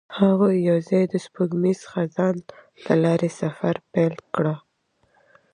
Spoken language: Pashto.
هغوی یوځای د سپوږمیز خزان له لارې سفر پیل کړ.